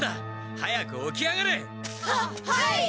早く起き上がれ！ははい！